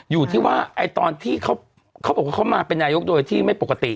อยู่ที่ว่าตอนที่เขาบอกว่าเขามาเป็นนายกโดยที่ไม่ปกติ